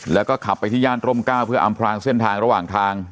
แล้วก็ขับไปที่ย่านร่มก้าวเพื่ออำพลางเส้นทางระหว่างทาง